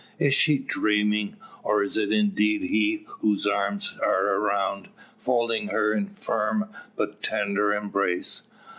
Is she dreaming? Or is it indeed he whose arms are around, folding her in firm but tender embrace?